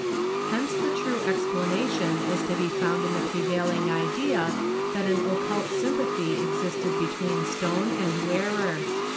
Hence the true explanation is to be found in the prevailing idea that an occult sympathy existed between stone and wearer.